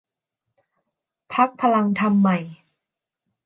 พรรคพลังธรรมใหม่